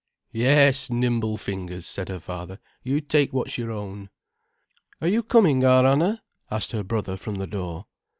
"Yes, nimble fingers," said her father. "You take what's your own." "Are you coming, our Anna?" asked her brother from the door.